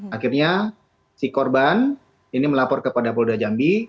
akhirnya si korban ini melapor kepada polda jambi